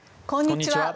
こんにちは。